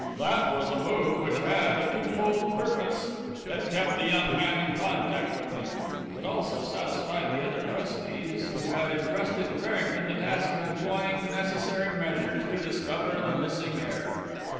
That was a move which had a twofold purpose. It kept the young man in contact with him. It also satisfied the other trustees, who had entrusted to Farrington the task of employing the necessary measures to discover the missing heir.